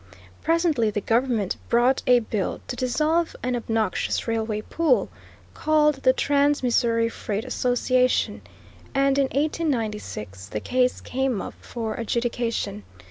Presently the government brought a bill to dissolve an obnoxious railway pool, called the Trans Missouri Freight Association, and in 1896 the case came up for adjudication.